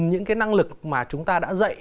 những cái năng lực mà chúng ta đã dạy